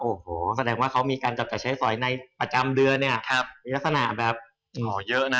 โอ้โหแสดงว่าเขามีการจับจ่ายใช้สอยในประจำเดือนเนี่ยครับมีลักษณะแบบห่อเยอะนะ